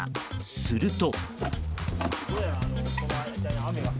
すると。